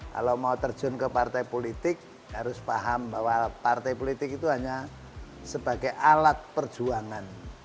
kalau mau terjun ke partai politik harus paham bahwa partai politik itu hanya sebagai alat perjuangan